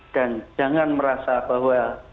dan jangan merasa bahwa